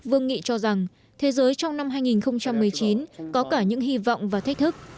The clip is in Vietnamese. vương nghị cho rằng thế giới trong năm hai nghìn một mươi chín có cả những hy vọng và thách thức